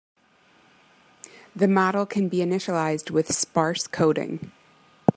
The model can be initialized with sparse coding.